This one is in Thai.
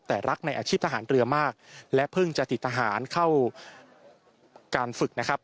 แต่รักในอาชีพทหารเรือมากและเพิ่งจะติดทหารเข้าการฝึกนะครับ